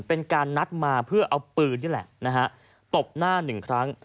เป็นการนัดมาเพื่อเอาปืนนี่แหละนะฮะตบหน้าหนึ่งครั้ง